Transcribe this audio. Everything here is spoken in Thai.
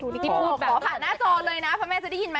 ที่กิ๊บพูดแบบผ่านหน้าจอเลยนะพระแม่จะได้ยินไหม